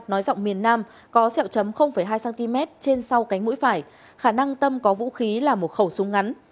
nói giọng miền nam có xẹo chấm hai cm trên sau cánh mũi phải khả năng tâm có vũ khí là một khẩu súng ngắn